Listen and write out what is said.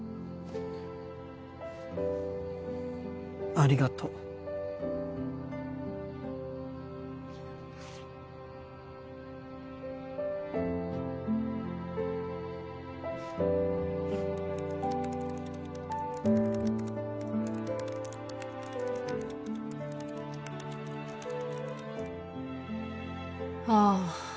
ありがとう。ハァ。